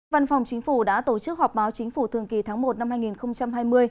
văn phòng chính phủ đã tổ chức họp báo chính phủ thường kỳ tháng một năm hai nghìn hai mươi